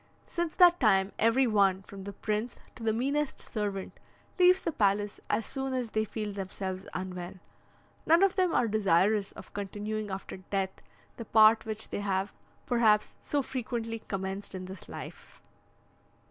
Since that time every one, from the prince to the meanest servant, leaves the palace as soon as they feel themselves unwell. None of them are desirous of continuing after death the part which they have, perhaps, so frequently commenced in this life.